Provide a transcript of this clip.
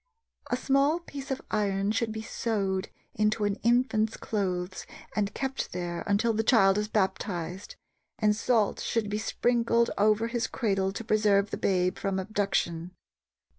A small piece of iron should be sewed into an infant's clothes and kept there until the child is baptized, and salt should be sprinkled over his cradle to preserve the babe from abduction.